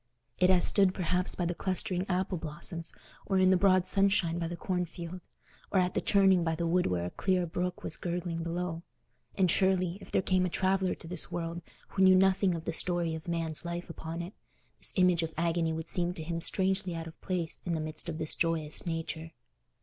It has stood perhaps by the clustering apple blossoms, or in the broad sunshine by the cornfield, or at a turning by the wood where a clear brook was gurgling below; and surely, if there came a traveller to this world who knew nothing of the story of man's life upon it, this image of agony would seem to him strangely out of place in the midst of this joyous nature.